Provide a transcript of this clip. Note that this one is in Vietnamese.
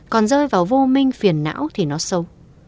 còn rơi vào vô minh phiền não thì nó sâu